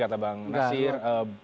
kata bang nasir